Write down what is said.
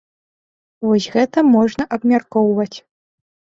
Вось гэта можна абмяркоўваць.